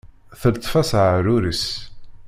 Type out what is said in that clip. Teltef-as aεrur-is.